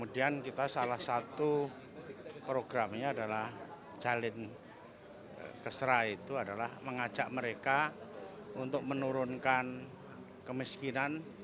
dan juga menurun dari sebelas dua belas persen